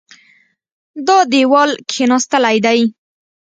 دا دېوال کېناستلی دی.